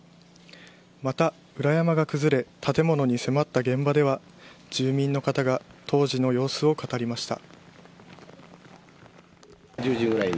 また、裏山が崩れ建物に迫った現場では住民の方が当時の様子を語りました。